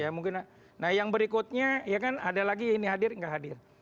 ya mungkin nah yang berikutnya ya kan ada lagi ini hadir nggak hadir